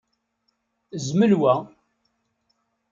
Zmel wa.